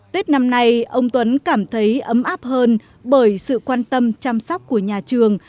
tết năm nay ông tuấn cảm thấy ấm áp hơn bởi sự quan tâm chăm sóc của nhà trường